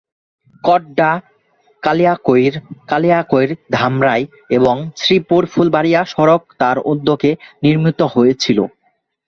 কড্ডা-কালিয়াকৈর, কালিয়াকৈর-ধামরাই এবং শ্রীপুর-ফুলবাড়িয়া সড়ক তার উদ্যোগে নির্মিত হয়েচিল।